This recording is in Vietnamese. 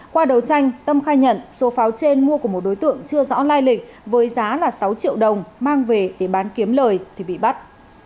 qua đấu tranh tâm khai nhận số pháo trên mua của một đối tượng chưa rõ lai lịch với giá là sáu triệu đồng mang về để bán kiếm lời thì bị bắt